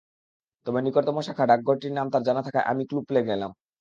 তবে নিকটতম শাখা ডাকঘরটির নাম তাঁর জানা থাকায় আমি ক্লু পেয়ে গেলাম।